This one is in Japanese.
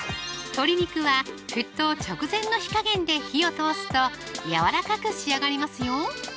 鶏肉は沸騰直前の火加減で火を通すとやわらかく仕上がりますよ